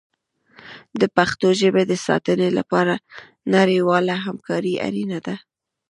د پښتو ژبې د ساتنې لپاره نړیواله همکاري اړینه ده.